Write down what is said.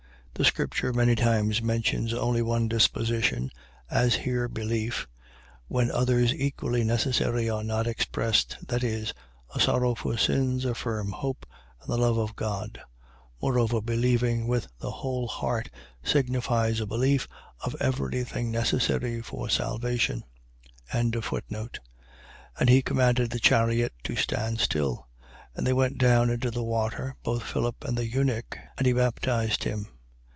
. .The scripture many times mentions only one disposition, as here belief, when others equally necessary are not expressed, viz., a sorrow for sins, a firm hope, and the love of God. Moreover, believing with the whole heart signifies a belief of every thing necessary for salvation. 8:38. And he commanded the chariot to stand still. And they went down into the water, both Philip and the eunuch. And he baptized him.